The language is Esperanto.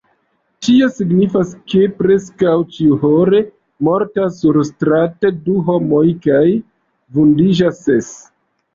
Tio signifas, ke preskaŭ ĉiuhore mortas surstrate du homoj kaj vundiĝas ses.